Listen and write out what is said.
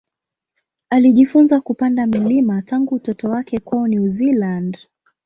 Alijifunza kupanda milima tangu utoto wake kwao New Zealand.